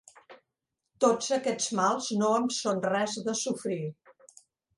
Tots aquests mals no em són res de sofrir.